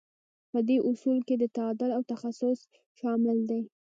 په دې اصولو کې تعادل او تخصص شامل دي.